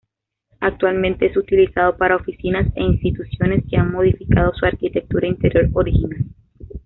Actualmente es utilizado para oficinas e instituciones que han modificado su arquitectura interior original.